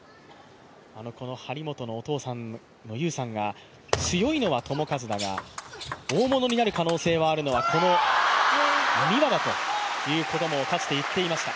張本のお父さんの宇さんが、強いのは智和だが大物になる可能性のあるのは美和だということもかつて言っていました。